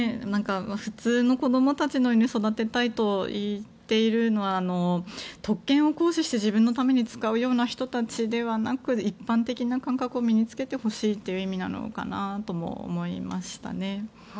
普通の子供たちのように育てたいと言っているのは特権を行使して自分のために使うような人たちではなく一般的な感覚を身に着けてほしいという意味なのかなと思いましたね。